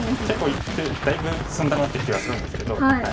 結構いってだいぶ進んだなって気はするんですけど。